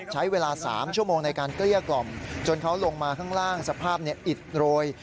ใช้เวลา๓ชั่วโมงในการเกลี้ยกล่อมจนเขาลงมาข้างล่างสภาพอิดโรย